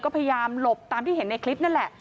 ก็พยายามหลบตามที่เห็นในคลิปนั่นแหละ